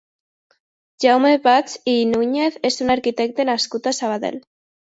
Jaume Bach i Núñez és un arquitecte nascut a Sabadell.